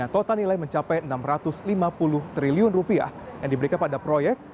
total nilai mencapai enam ratus lima puluh triliun rupiah yang diberikan pada proyek